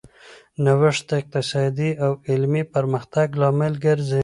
نوښت د اقتصادي او علمي پرمختګ لامل ګرځي.